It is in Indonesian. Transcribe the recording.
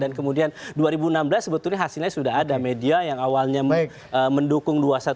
dan kemudian dua ribu enam belas sebetulnya hasilnya sudah ada media yang awalnya mendukung dua ratus dua belas